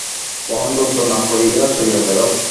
মহেন্দ্র উত্তর না করিয়া চলিয়া গেল।